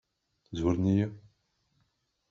Zwaren-iyi?